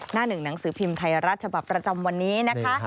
หน้าหนึ่งหนังสือพิมพ์ไทยรัฐฉบับประจำวันนี้นะคะ